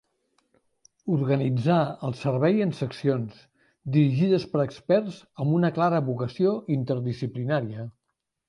Organitzà el servei en seccions, dirigides per experts amb una clara vocació interdisciplinària.